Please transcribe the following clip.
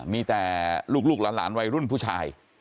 มีแต่ลูกหลานวัยรุ่นผู้ชาย